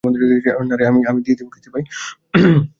নাহ, আরে দিয়ে দিবো কিস্তি, ভাই।